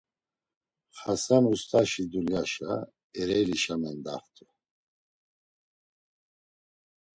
Xasan ust̆aşi dulyaşa Ereylişa mendaxt̆u.